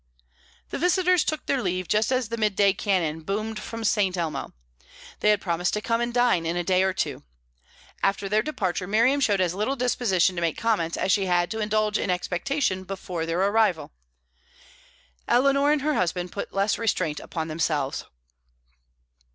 The visitors took their leave just as the midday cannon boomed from Sant' Elmo. They had promised to come and dine in a day or two. After their departure, Miriam showed as little disposition to make comments as she had to indulge in expectation before their arrival. Eleanor and her husband put less restraint upon themselves.